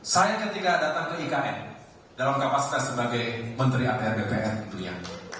saya ketika datang ke ikn dalam kapasitas sebagai menteri apr bpr itu ya